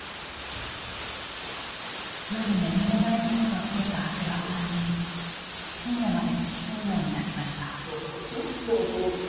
夜眠れないことが増えた長谷川さんに深夜まで付き添うようになりました。